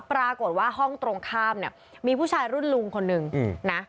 ปรากฏว่าห้องตรงข้ามเนี่ยมีผู้ชายรุ่นลุงคนหนึ่งนะ